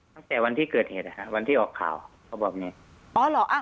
ตั้งแต่วันที่เกิดเหตุนะฮะวันที่ออกข่าวเขาบอกอย่างงี้อ๋อเหรออ่ะ